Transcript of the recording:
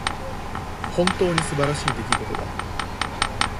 本当に素晴らしい出来事だ。